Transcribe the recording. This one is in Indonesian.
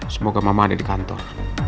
semoga mama ada di kantor